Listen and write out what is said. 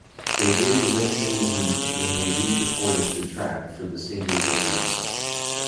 They did eventually meet when they re-recorded the track for the single release.